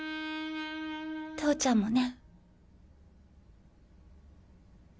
投ちゃんもね。